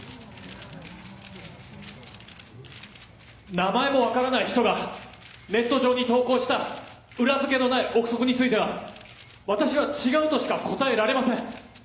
名前も分からない人がネット上に投稿した裏付けのない臆測については私は違うとしか答えられません。